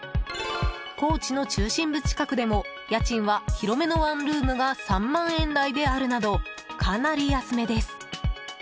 高知の中心部近くでも家賃は広めのワンルームが３万円台であるなどかなり安めです。